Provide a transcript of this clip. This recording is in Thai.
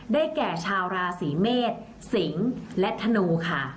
แก่ชาวราศีเมษสิงศ์และธนูค่ะ